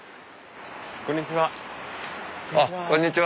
こんにちは。